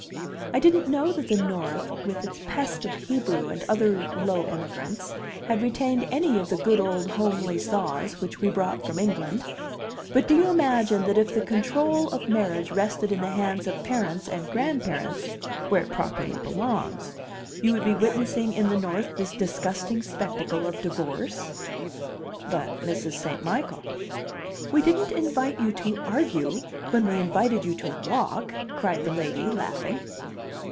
I didn't know that the North, with its pest of Hebrew and other low immigrants, had retained any of the good old homely saws which we brought from England. But do you imagine that if the control of marriage rested in the hands of parents and grandparents (where it properly belongs), you would be witnessing in the North this disgusting spectacle of divorce?" "But, Mrs. St. Michael " "We didn't invite you to argue when we invited you to walk!" cried the lady, laughing.